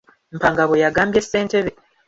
Mpanga bwe yagambye sentebbe.